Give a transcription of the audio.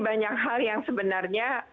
banyak hal yang sebenarnya